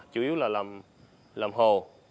chủ yếu là làm hồ